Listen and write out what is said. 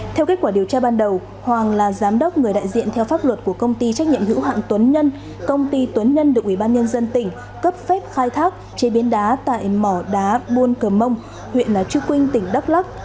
theo kết quả điều tra ban đầu hoàng là giám đốc người đại diện theo pháp luật của công ty trách nhiệm hữu hạng tuấn nhân công ty tuấn nhân được ủy ban nhân dân tỉnh cấp phép khai thác chế biến đá tại mỏ đá buôn cờ mông huyện trư quynh tỉnh đắk lắc